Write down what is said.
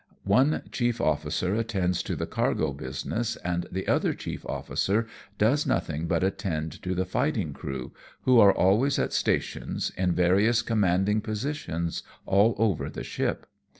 One chief officer attends to the cargo business, and the other chief officer does nothing but attend to the fighting crew, who are always at stations, in various commanding positions, all over the ship.